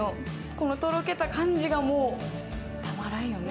このトロけた感じがもう、たまらんよね。